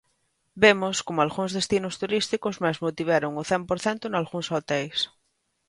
Vemos como algúns destinos turísticos mesmo tiveron o cen por cento nalgúns hoteis.